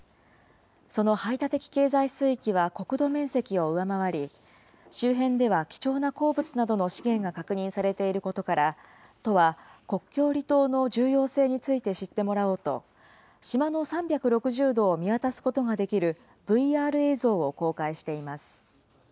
その排他的経済水域は国土面積を上回り、周辺では貴重な鉱物などの資源が確認されていることから、都は国境離島の重要性について知ってもらおうと、島の３６０度を見渡すことができるＶＲ映像を公開しています。